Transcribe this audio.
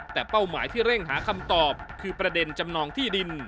แต่เป้าหมายที่เร่งหาคำตอบคือประเด็นจำนองที่ดิน